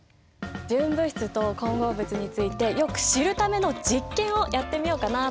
純物質と混合物についてよく知るための実験をやってみようかなって思ってるんだ。